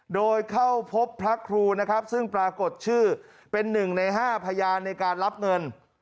โดยเข้าพบพระครูนะครับซึ่งปรากฏชื่อเป็น๑ใน๕พยานในการรับเงิน